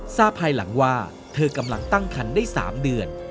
ภายหลังว่าเธอกำลังตั้งคันได้๓เดือน